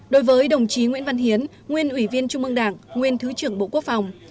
đối với đồng chí nguyễn văn hiến nguyên ủy viên trung mương đảng nguyên thứ trưởng bộ quốc phòng